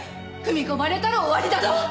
踏み込まれたら終わりだど！